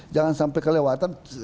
jangan sampai kelewatan